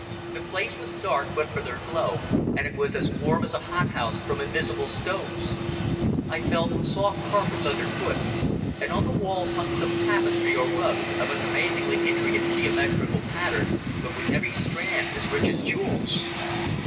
The place was dark but for their glow, and it was as warm as a hothouse from invisible stoves. I felt soft carpets underfoot, and on the walls hung some tapestry or rug of an amazingly intricate geometrical pattern, but with every strand as rich as jewels.